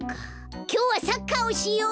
きょうはサッカーをしよう！